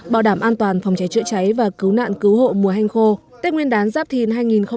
bảo đảm an toàn phòng cháy chữa cháy và cứu nạn cứu hộ mùa hanh khô tết nguyên đán giáp thìn hai nghìn hai mươi bốn